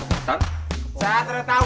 saya tidak tahu saya tidak tahu